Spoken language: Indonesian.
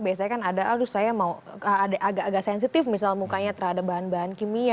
biasanya kan ada aduh saya mau agak agak sensitif misalnya mukanya terhadap bahan bahan kimia